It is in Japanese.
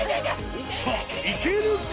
さぁいけるか？